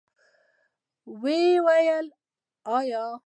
ویل : یا .